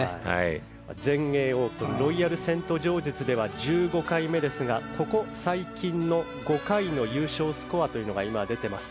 全英オープンロイヤルセントジョージズは１５回目ですがここ最近の５回の優勝スコアが今、出ています。